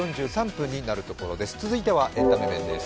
続いてはエンタメ面です。